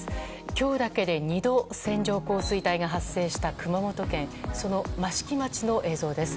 今日だけで２度線状降水帯が発生した熊本県その益城町の映像です。